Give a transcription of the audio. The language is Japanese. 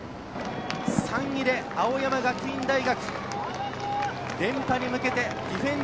３位で青山学院大学。